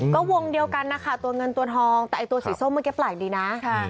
ก็วงเดียวกันนะคะตัวเงินตัวทองแต่ไอ้ตัวสีส้มเมื่อกี้แปลกดีนะ